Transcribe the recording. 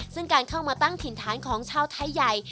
ซึ่งการเข้ามาตั้งถิ่นฐานของชาวไทยใหญ่